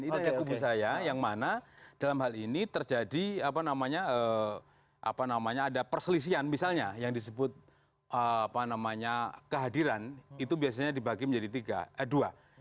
ini kubu saya yang mana dalam hal ini terjadi apa namanya apa namanya ada perselisihan misalnya yang disebut apa namanya kehadiran itu biasanya dibagi menjadi dua